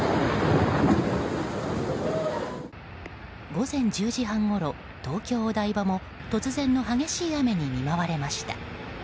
午前１０時半ごろ東京・お台場も突然の激しい雨に見舞われました。